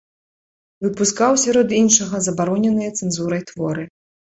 Выпускаў, сярод іншага, забароненыя цэнзурай творы.